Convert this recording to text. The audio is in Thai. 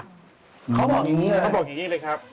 พูดอย่างนี้เลยครับ